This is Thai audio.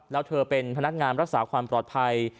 แล้วเธอเป็นพนักงานรักษาความปลอดภัย